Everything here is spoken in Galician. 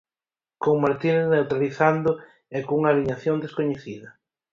Con Martínez neutralizando e cunha aliñación descoñecida.